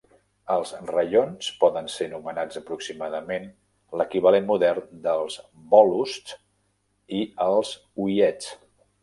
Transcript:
Els raions poden ser nomenats aproximadament l'equivalent modern dels vólosts i els uiezds.